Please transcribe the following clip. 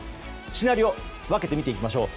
シナリオを分けて見ていきましょう。